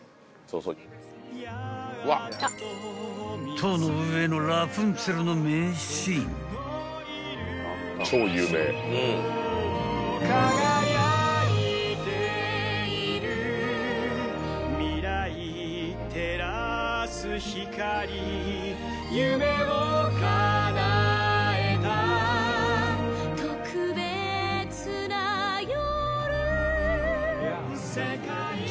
［『塔の上のラプンツェル』の名シーン］「輝いている」「未来照らす光」「夢を叶えた」「特別な夜」